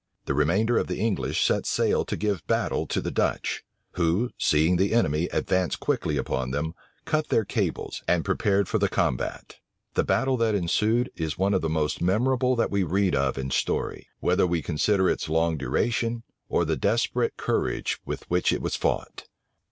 The remainder of the English set sail to give battle to the Dutch; who, seeing the enemy advance quickly upon them, cut their cables, and prepared for the combat. The battle that ensued is one of the most memorable that we read of in story; whether we consider its long duration, or the desperate courage with which it was fought.